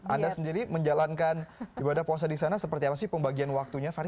anda sendiri menjalankan ibadah puasa di sana seperti apa sih pembagian waktunya farid